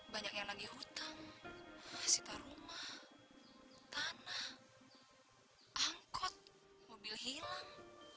banyak yang lagi utang sitar rumah tanah angkot mobil hilang